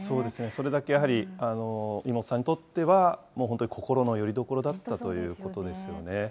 それだけやはり妹さんにとっては、もう本当に心のよりどころだったということですよね。